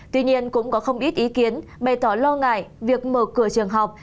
tuy nhiên cũng có không ít ý kiến bày tỏ lo ngại việc mở cửa trường học